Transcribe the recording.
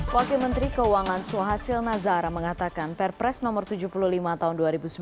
wakil menteri keuangan suhasil nazara mengatakan perpres nomor tujuh puluh lima tahun dua ribu sembilan belas